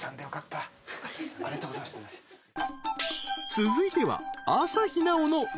［続いては］